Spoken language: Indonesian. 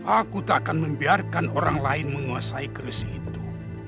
aku tak akan membiarkan orang lain menguasai keris itu